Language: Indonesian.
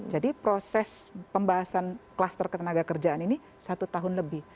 jadi proses pembahasan klaster ketenaga kerjaan ini satu tahun lebih